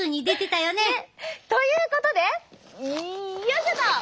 ねっ！ということでよいしょっと！